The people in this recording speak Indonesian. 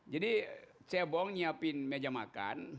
jadi cebong nyiapin meja makan